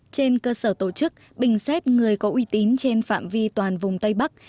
trên cơ sở tổ chức bình xét người có uy tín trên phạm vi toàn vùng tây bắc